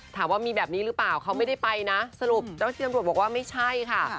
ถามว่ามีแบบนี้หรือเปล่าเขาไม่ได้ไปนะสรุปเจ้าที่ตำรวจบอกว่าไม่ใช่ค่ะ